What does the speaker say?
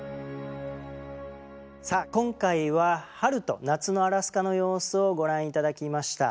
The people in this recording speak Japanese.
さあ今回は春と夏のアラスカの様子をご覧頂きました。